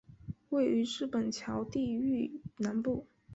位于日本桥地域南部。